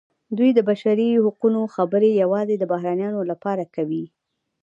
دوی د بشري حقونو خبرې یوازې د بهرنیانو لپاره کوي.